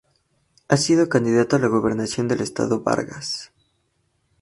Ha sido candidato a la gobernación del estado Vargas.